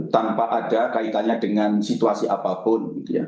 tanpa ada kaitannya dengan situasi apapun